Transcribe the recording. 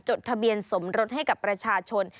จดทะเบียนสมรสให้กับประชาชน